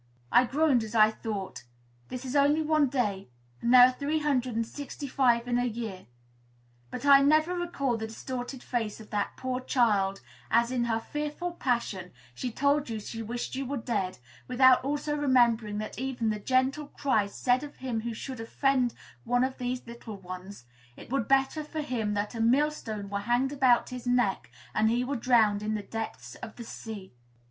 I groaned as I thought, "This is only one day, and there are three hundred and sixty five in a year!" But I never recall the distorted face of that poor child, as, in her fearful passion, she told you she wished you were dead, without also remembering that even the gentle Christ said of him who should offend one of these little ones, "It were better for him that a mill stone were hanged about his neck, and he were drowned in the depths of the sea!"